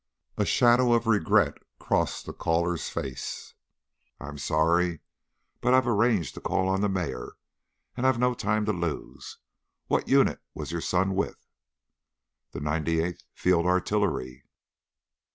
A shadow of regret crossed the caller's face. "I'm sorry, but I've arranged to call on the mayor, and I've no time to lose. What unit was your son with?" "The Ninety eighth Field Artillery."